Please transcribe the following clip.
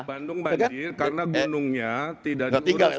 bandung banjir karena gunungnya tidak diurus